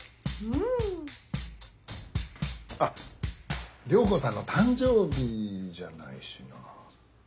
あっ涼子さんの誕生日じゃないしな。